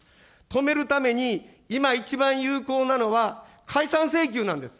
止めるために今一番有効なのは、解散請求なんです。